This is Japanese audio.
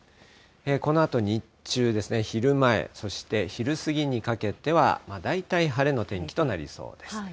このあと日中ですね、昼前、そして昼過ぎにかけては、大体晴れの天気となりそうです。